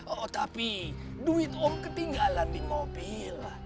oh tapi duit om ketinggalan di mobil lah